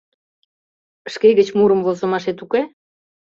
— Шке гыч мурым возымашет уке?